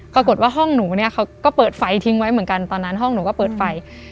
ปรากฏว่าห้องหนูเนี่ยเขาก็เปิดไฟทิ้งไว้เหมือนกันตอนนั้นห้องหนูก็เปิดไฟ